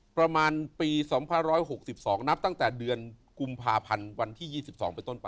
ประมาณปี๒๑๖๒นับตั้งแต่เดือนกุมภาพันธ์วันที่๒๒เป็นต้นไป